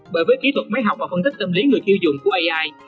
bởi với kỹ thuật máy học và phân tích tâm lý người tiêu dùng của ai